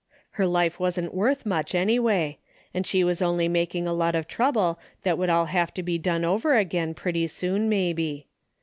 Her life Avasn't Avorth much anyway, and she Avas only making a lot of trouble that 244 A DAILY EATEI^ 245 would all have to be done over again pretty soon, maybe.